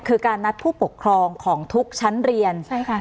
คือการนัดผู้ปกครองของทุกชั้นเรียนใช่ค่ะ